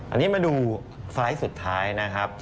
อันนี้มาดูไฟล์สุดท้ายนะครับ